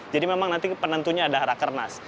jadi memang nanti penentunya ada hara kernas